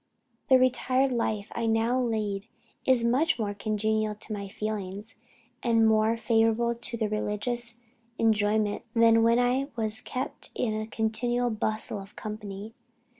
The retired life I now lead is much more congenial to my feelings, and much more favorable to religious enjoyment, than when I was kept in a continual bustle of company.